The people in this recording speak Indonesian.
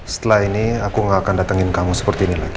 setelah ini aku gak akan datengin kamu seperti ini lagi